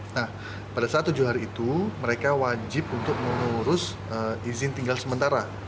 nah pada saat tujuh hari itu mereka wajib untuk mengurus izin tinggal sementara